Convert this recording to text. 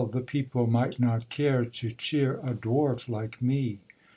the people might not care To cheer a dwarf like me.